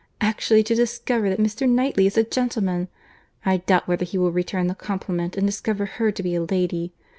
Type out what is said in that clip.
Actually to discover that Mr. Knightley is a gentleman! I doubt whether he will return the compliment, and discover her to be a lady.